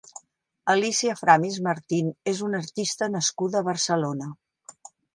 Alícia Framis Martín és una artista nascuda a Barcelona.